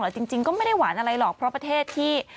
จริงก็ไม่ได้หวานอะไรหรอกเพราะประเทศที่